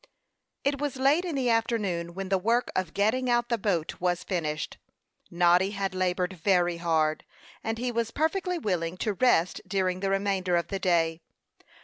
It was late in the afternoon when the work of getting out the boat was finished. Noddy had labored very hard, and he was perfectly willing to rest during the remainder of the day.